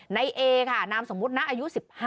ไหนเออะค่ะนามสมมติณอายุ๑๕